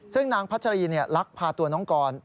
ซึ่งนางพัชรีลักพาตัวน้องกร